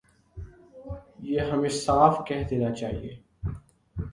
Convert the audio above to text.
یہ ہمیں صاف کہہ دینا چاہیے۔